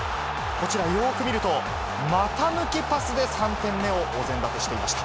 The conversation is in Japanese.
こちら、よーく見ると、股抜きパスで３点目をお膳立てしていました。